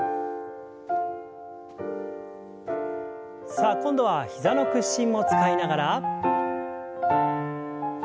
さあ今度は膝の屈伸も使いながら。